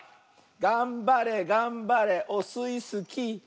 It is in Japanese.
がんばれがんばれオスイスキー！